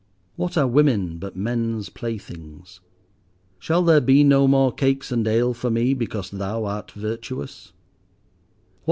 What are women but men's playthings! Shall there be no more cakes and ale for me because thou art virtuous!